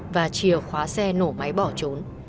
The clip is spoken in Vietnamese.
và trìa khóa xe nổ máy bỏ trốn